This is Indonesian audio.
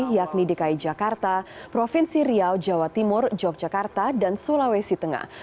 yakni dki jakarta provinsi riau jawa timur yogyakarta dan sulawesi tengah